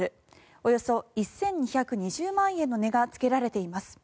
およそ１２２０万円の値がつけられています。